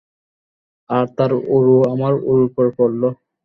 আর তার উরু আমার উরুর উপর পড়ল।